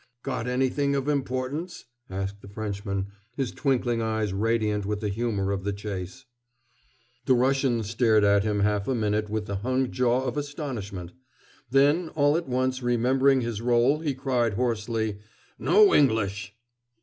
"Got anything of importance?" asked the Frenchman, his twinkling eyes radiant with the humor of the chase. The Russian stared at him half a minute with the hung jaw of astonishment. Then, all at once remembering his rôle, he cried hoarsely: "No English!"